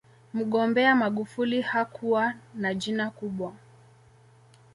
mgombea magufuli hakuwa na jina kubwa